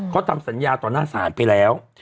เขาทำสัญญาต่อหน้าศาลไปแล้ว